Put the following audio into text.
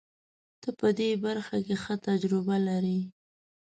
ته په دې برخه کې ښه تجربه لرې.